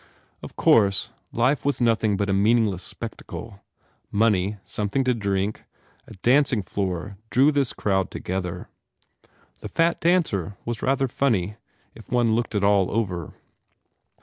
Of course, life was nothing but a meaningless spectacle. Money, something to drink, a dancing floor drew this crowd together. The fat dancer was rather funny, if one looked it all over.